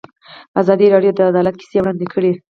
ازادي راډیو د عدالت کیسې وړاندې کړي.